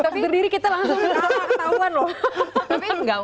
tapi berdiri kita langsung ketahuan loh